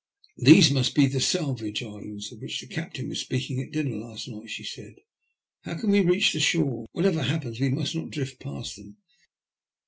These must be the Salvage Islands of which the Captain was speaking at dinner last night," she said. How can we reach the shore ? Whatever happens, we must not drift past them."